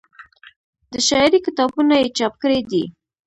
د شاعرۍ کتابونه یې چاپ کړي دي